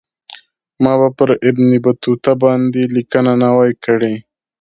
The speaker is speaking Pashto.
ما به پر ابن بطوطه باندې لیکنه نه وای کړې.